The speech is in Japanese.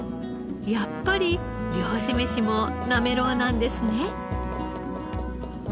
やっぱり漁師飯もなめろうなんですね。